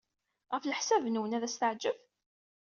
Ɣef leḥsab-nwen, ad as-teɛjeb?